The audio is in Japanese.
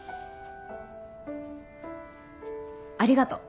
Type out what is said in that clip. ありがとう。